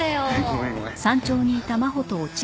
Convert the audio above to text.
ごめんごめん。